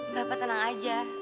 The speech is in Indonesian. bapak tenang aja